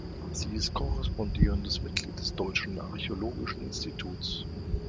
Sie ist korrespondierendes Mitglied des Deutschen Archäologischen Instituts.